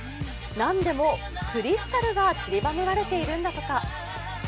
なんでもクリスタルがちりばめられているんだとか。